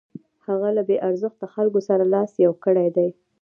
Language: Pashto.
هغه له بې ارزښتو خلکو سره لاس یو کړی دی.